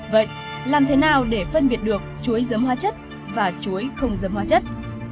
vậy làm thế nào để phân biệt được chuối giấm hóa chất và chuối không giấm hóa chất